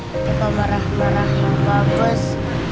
tepok marah marah yang bagus